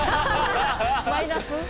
マイナス？